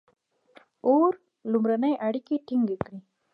• اور لومړنۍ اړیکې ټینګې کړې.